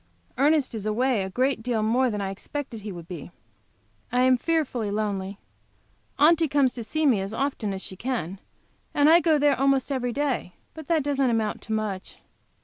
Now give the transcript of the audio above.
Ernest is away a great deal more than I expected he would be. I am fearfully lonely. Aunty comes to see me as often as she can, and I go there almost every day, but that doesn't amount to much.